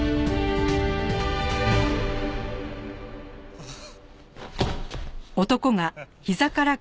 ああ。